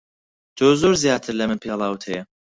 تۆ زۆر زیاتر لە من پێڵاوت ھەیە.